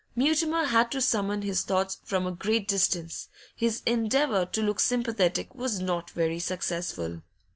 Mutimer had to summon his thoughts from a great distance; his endeavour to look sympathetic was not very successful.